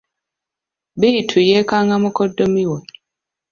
Bittu yeekanga mukoddomi we.